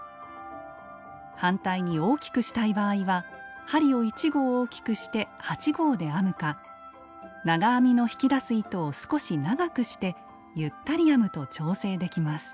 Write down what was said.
反対に大きくしたい場合は針を１号大きくして８号で編むか長編みの引き出す糸を少し長くしてゆったり編むと調整できます。